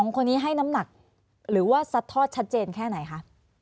๒คนนี้ให้น้ำหนักหรือว่าซัดทอดชัดเจนแค่ไหนคะ